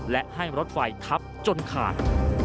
และให้รถไฟทับจนขาด